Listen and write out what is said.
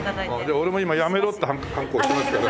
俺も今「やめろ」ってハンコ押しますけど。